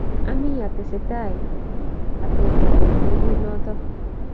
Ami atesetai atebege tebut noto